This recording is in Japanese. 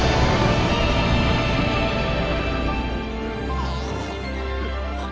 ああ。